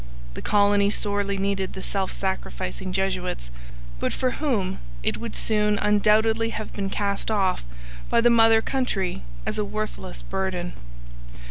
The colony sorely needed the self sacrificing Jesuits, but for whom it would soon undoubtedly have been cast off by the mother country as a worthless burden.